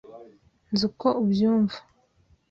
Nzi uko ubyumva.